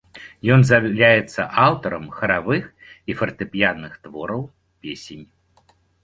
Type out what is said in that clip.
Ён з'яўляецца аўтарам харавых і фартэпіянных твораў, песень.